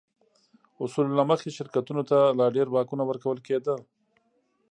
اصولو له مخې شرکتونو ته لا ډېر واکونه ورکول کېده.